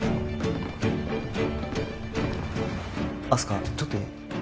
明日香ちょっといい？